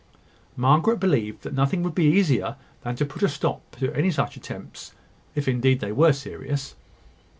Margaret believed that nothing would be easier than to put a stop to any such attempts if indeed they were serious.